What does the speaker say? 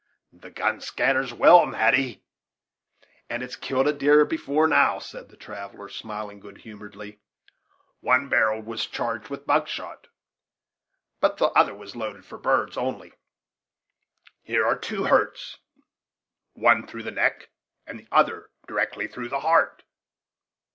"The gun scatters well, Natty, And it has killed a deer before now," said the traveller, smiling good humoredly. "One barrel was charged with buckshot, but the other was loaded for birds only. Here are two hurts; one through the neck, and the other directly through the heart.